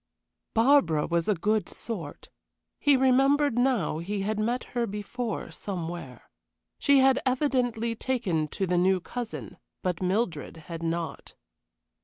Barbara was a good sort; he remembered now he had met her before somewhere. She had evidently taken to the new cousin; but Mildred had not.